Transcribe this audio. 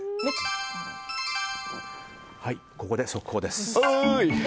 ここで速報です。